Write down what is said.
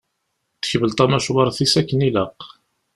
Tekbel tamacwart-is akken ilaq.